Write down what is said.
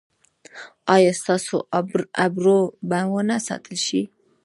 ایا ستاسو ابرو به و نه ساتل شي؟